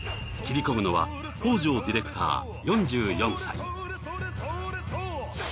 切り込むのは北條ディレクター４４歳。